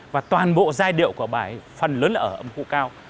và toàn bộ giai điệu của bài phần lớn là ở âm khu cao